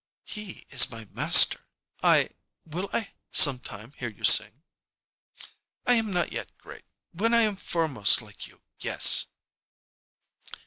"He is my master." "I Will I some time hear you sing?" "I am not yet great. When I am foremost like you, yes."